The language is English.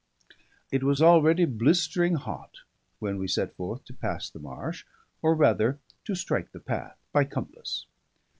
It was already blistering hot when we set forth to pass the marsh, or rather to strike the path, by compass.